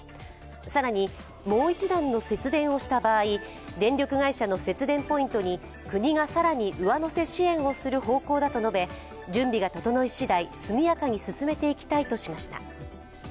更に、もう一段の節電をした場合、電力会社の節電ポイントに国が更に上乗せ支援をする方向だと述べ準備が整いしだい、速やかに進めていきたいとしました。